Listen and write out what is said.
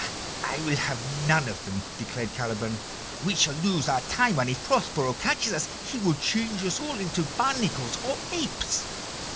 "I will have none of them," declared Caliban. "We shall lose our time, and if Prospero catches us, he will change us all into barnacles or apes."